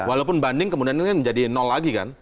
walaupun banding kemudian ini menjadi nol lagi kan